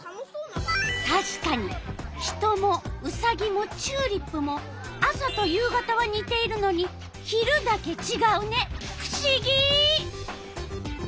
たしかに人もウサギもチューリップも朝と夕方はにているのに昼だけちがうね。